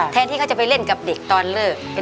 แทนที่เขาจะไปเล่นกับเด็กตอนเลิก